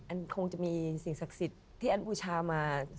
คงจะมีสิ่งศักดิ์สิทธิ์ที่อันบูชามา